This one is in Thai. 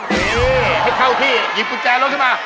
นี่ให้เข้าที่หยิบกุญแจรถขึ้นมา